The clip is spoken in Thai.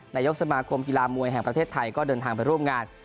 นายกสมาคมกีฬามวยแห่งประเทศไทยก็เดินทางไปร่วมงาน